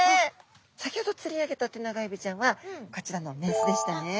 先ほど釣り上げたテナガエビちゃんはこちらの雌でしたね。